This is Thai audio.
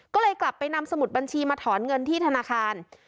ก็เลยกลับไปนำสมุดบัญชีมาถอนเงินที่ธนาคาร